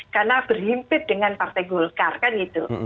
karena berhimpit dengan partai golkar kan gitu